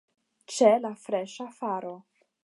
Ĉe la freŝa faro.